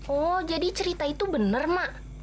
oh jadi cerita itu benar mak